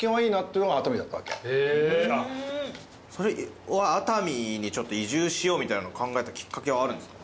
それは熱海に移住しようみたいなの考えたきっかけはあるんですか？